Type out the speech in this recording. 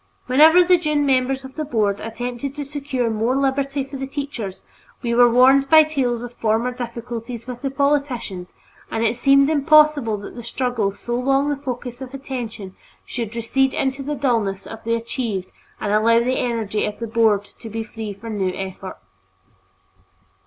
Whenever the Dunne members of the Board attempted to secure more liberty for the teachers, we were warned by tales of former difficulties with the politicians, and it seemed impossible that the struggle so long the focus of attention should recede into the dullness of the achieved and allow the energy of the Board to be free for new effort.